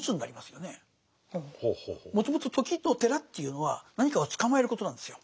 もともと「時」と「寺」というのは何かを捕まえることなんですよ。